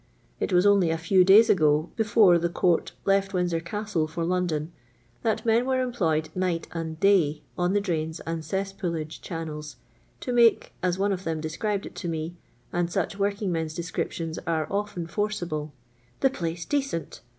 It was only a few days ago, before the court left Windsor Castle for London, that men were employed nisht and day, on the drains and cesspoolage channels, to mskf, as one of them described it to mc — and «uca working men's descriptions are often forciide — ibe place decent.